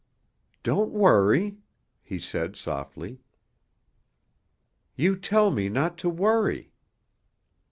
"Don't worry," he said softly. "You tell me not to worry."